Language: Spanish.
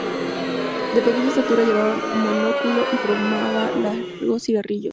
De pequeña estatura, llevaba monóculo y fumaba largos cigarrillos.